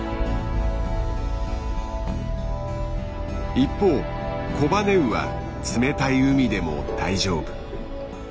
一方コバネウは冷たい海でも大丈夫。